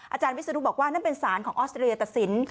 อาจารย์วิศนุบอกว่านั่นเป็นสารของออสเตรียตัดสิน